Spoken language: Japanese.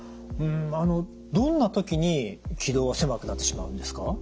あのどんな時に気道は狭くなってしまうんですか？